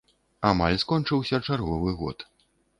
Амаль скончыўся чарговы год.